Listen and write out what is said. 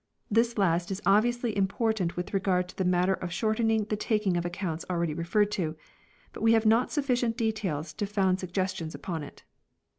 2 This last is obviously important with regard to the matter of shortening the taking of ac counts already referred to ; but we have not sufficient details to found suggestions upon it.